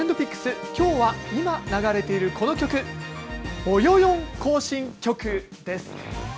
きょうは今、流れているこの曲、ぼよよん行進曲です。